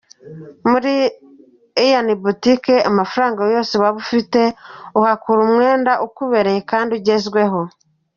Muri Ian Boutique, amafaranga yose waba ufite uhakura umwenda ukubereye kandi ugezweho.